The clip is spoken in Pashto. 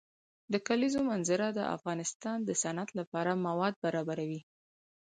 د کلیزو منظره د افغانستان د صنعت لپاره مواد برابروي.